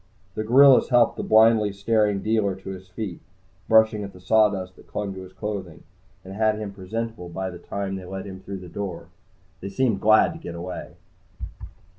The gorillas helped the blindly staring dealer to his feet, brushing at the sawdust that clung to his clothing, and had him presentable by the time they led him through the door. They seemed glad to get away.